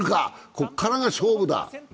ここからが勝負だ。